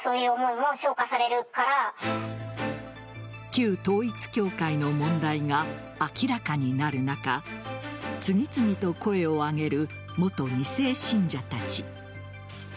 旧統一教会の問題が明らかになる中次々と声を上げる元２世信者たち。